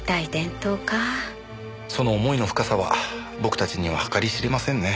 その思いの深さは僕たちには計り知れませんね。